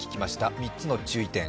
３つの注意点。